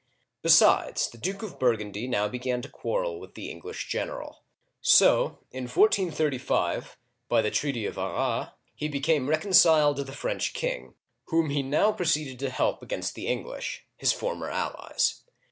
Besides, the Duke of Burgundy now began to quarrel with the English general; so in 143S, by the treaty of Arras', he became rec onciled to the French king, whom he now proceeded to help against the English, his former allies.